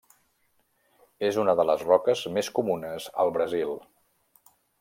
És una de les roques més comunes al Brasil.